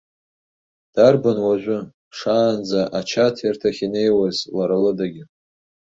Дарбан уажәы, шаанӡа, ачаҭирҭахь инеиуаз, лара лыдагьы.